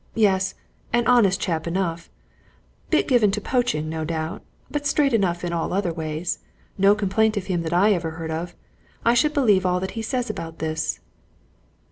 Yes an honest chap enough bit given to poaching, no doubt, but straight enough in all other ways no complaint of him that I ever heard of. I should believe all he says about this."